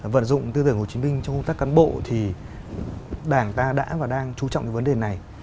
vận dụng tư tưởng hồ chí minh trong công tác cán bộ thì đảng ta đã và đang chú trọng cái vấn đề này